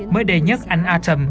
mới đây nhất anh atom